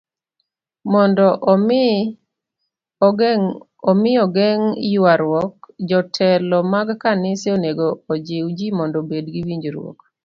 Mondo omi ogeng' ywaruok, jotelo mag kanise onego ojiw ji mondo obed gi winjruok.